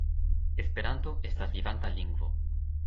Esperanto estas vivanta lingvo.